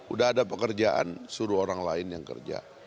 udah ada pekerjaan suruh orang lain yang kerja